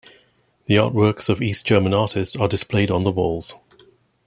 The artworks of East German artist are displayed on the walls.